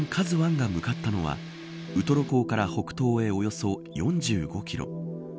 ＫＡＺＵ１が向かったのはウトロ港から北東へおよそ４５キロ